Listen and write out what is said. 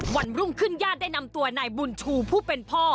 วันรุ่งขึ้นญาติได้นำตัวนายบุญชูผู้เป็นพ่อ